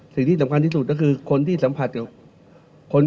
สิ่งที่สำคัญที่สุดก็คือคนที่สัมผัสกับคน